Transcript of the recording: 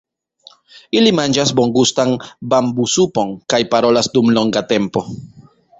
Ili manĝas bongustan bambusupon kaj parolas dum longa tempo.